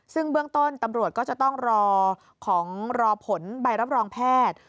ซึ่งเบื้องต้นตำรวจก็จะต้องรอของรอผลใบรับรองแพทย์